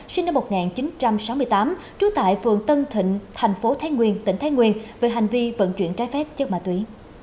sinh năm một nghìn chín trăm sáu mươi tám trú tại phường tân thịnh thành phố thái nguyên tỉnh thái nguyên về hành vi vận chuyển trái phép chất ma túy